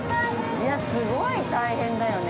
◆いや、すごい大変だよね。